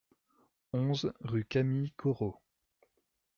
onze rue Camille Corot